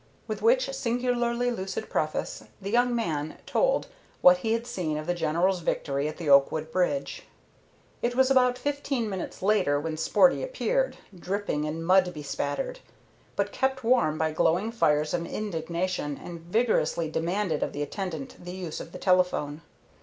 With which singularly lucid preface, the young man told what he had seen of the General's victory at the Oakwood bridge. It was about fifteen minutes later when Sporty appeared, dripping and mud bespattered, but kept warm by glowing fires of indignation, and vigorously demanded of the attendant the use of the telephone.